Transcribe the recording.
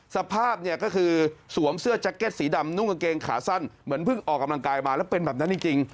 สภาพเนี่ยก็คือสวมเสื้อแจ็คเก็ตสีดำนุ่งกางเกงขาสั้นเหมือนเพิ่งออกกำลังกายมาแล้วเป็นแบบนั้นจริง